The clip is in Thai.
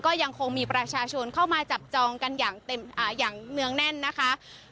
ก็ยังคงมีประชาชนเข้ามาจับจองกันอย่างเนื่องแน่นนะคะ